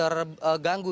mereka juga cukup terganggu